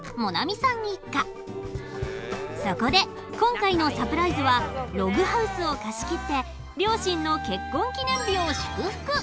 そこで今回のサプライズはログハウスを貸し切って両親の結婚記念日を祝福。